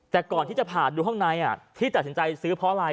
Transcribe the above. แต่ก่อนที่จะผ่านดูข้างในที่ตัดสินใจซื้อเพราะอะไร